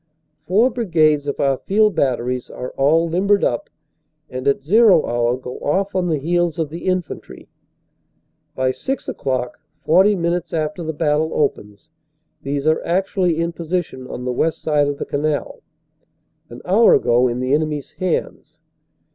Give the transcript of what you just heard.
Four brigades of our field batteries are all limbered up, and at "zero" hour go off on the heels of the infantry. By six o clock, forty minutes after the battle opens, these are actually in position on the west side of the canal, an hour ago in the enemy s hands.